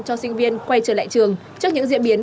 cho sinh viên quay trở lại trường trước những diễn biến